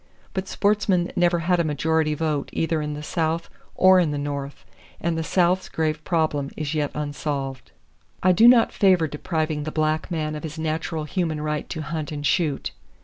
But sportsmen never had a majority vote either in the South or in the North, and the South's grave problem is yet unsolved. I do not favor depriving the black man of his natural human right to hunt and shoot.